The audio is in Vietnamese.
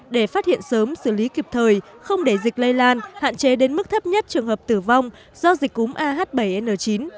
để phát hiện sớm xử lý kịp thời không để dịch lây lan hạn chế đến mức thấp nhất trường hợp tử vong do dịch cúm ah bảy n chín